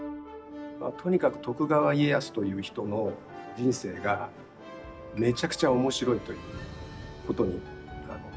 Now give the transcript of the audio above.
とにかく徳川家康という人の人生がめちゃくちゃ面白いということに尽きるんですけど。